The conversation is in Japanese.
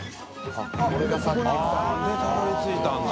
あっでたどり着いたんだ。